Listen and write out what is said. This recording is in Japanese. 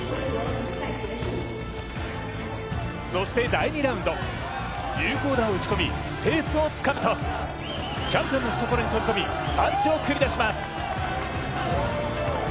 そして第２ラウンド有効打を打ち込みペースをつかむと、チャンピオンの懐に踏み込みパンチを繰り出します。